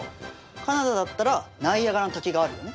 カナダだったらナイアガラの滝があるよね。